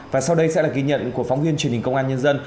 và sau đây sẽ là ghi nhận của phóng viên truyền hình công an nhân dân